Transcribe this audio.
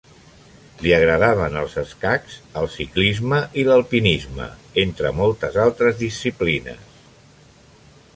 Li agradaven els escacs, el ciclisme i l'alpinisme, entre moltes altres disciplines.